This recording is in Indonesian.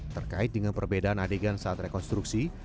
terkait dengan perbedaan adegan saat rekonstruksi